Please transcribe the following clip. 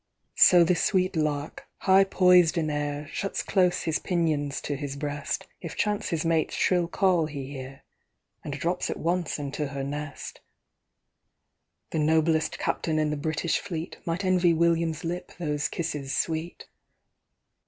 So the sweet lark, high poised in air, Shuts close his pinions to his breastIf chance his mate's shrill call he hear, And drops at once into her nest:—The noblest captain in the British fleetMight envy William's lip those kisses sweet.